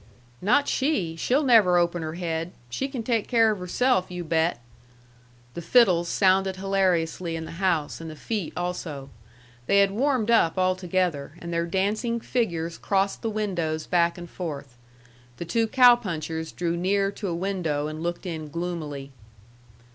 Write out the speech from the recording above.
"Not she! She'll never open her head. She can take care of herself, you bet!" The fiddles sounded hilariously in the house, and the feet also. They had warmed up altogether, and their dancing figures crossed the windows back and forth. The two cow punchers drew near to a window and looked in gloomily.